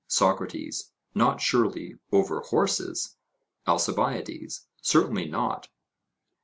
SOCRATES: Not, surely, over horses? ALCIBIADES: Certainly not.